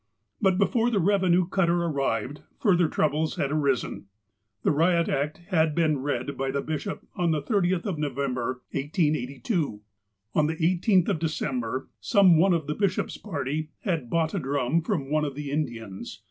But before the revenue cutter arrived further troubles had arisen : The riot act had been read by the bishop on the 30th of E'ovember, 1882. On the 18th of December, some one of the bishop's party had bought a drum from one of the Indians.